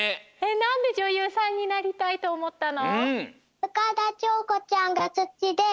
なんでじょゆうさんになりたいとおもったの？